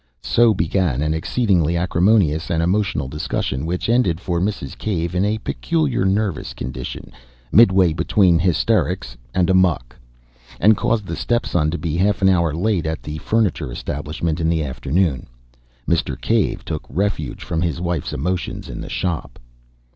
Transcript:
So began an exceedingly acrimonious and emotional discussion, which ended for Mrs. Cave in a peculiar nervous condition midway between hysterics and amuck, and caused the step son to be half an hour late at the furniture establishment in the afternoon. Mr. Cave took refuge from his wife's emotions in the shop.